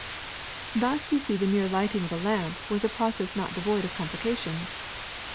Thus you see the mere lighting of a lamp was a process not devoid of complications.